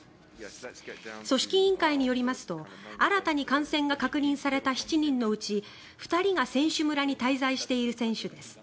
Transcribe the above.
組織委員会によりますと新たに感染が確認された７人のうち２人が選手村に滞在している選手です。